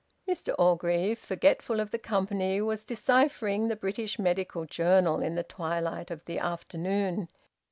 Mr Orgreave, forgetful of the company, was deciphering the "British Medical Journal" in the twilight of the afternoon.